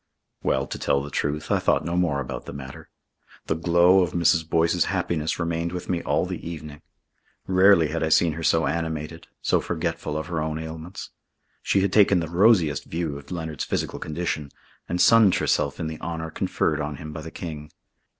Well, to tell the truth, I thought no more about the matter. The glow of Mrs. Boyce's happiness remained with me all the evening. Rarely had I seen her so animated, so forgetful of her own ailments. She had taken the rosiest view of Leonard's physical condition and sunned herself in the honour conferred on him by the King.